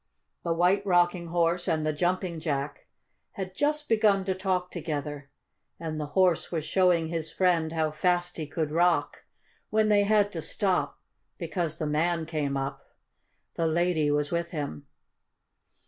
The White Rocking Horse and the Jumping Jack had just begun to talk together, and the Horse was showing his friend how fast he could rock, when they had to stop, because the man came up. The lady was with him.